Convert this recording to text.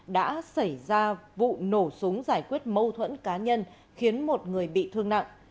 đã xảy ra vụ nổ súng giải quyết mâu thuẫn cá nhân khiến một người bị thương nặng